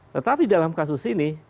tetapi dalam kasus ini